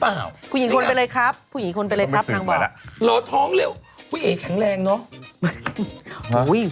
มันมาสื่อมาแล้ว